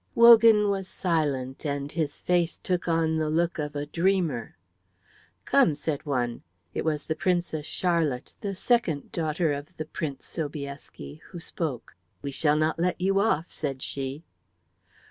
Wogan was silent, and his face took on the look of a dreamer. "Come," said one. It was the Princess Charlotte, the second daughter of the Prince Sobieski, who spoke. "We shall not let you off," said she.